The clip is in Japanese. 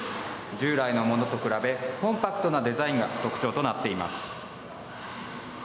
従来のものと比べコンパクトなデザインが特徴となっています。